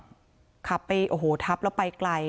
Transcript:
แล้วก็เลยจองไปอโหทับละไปไกล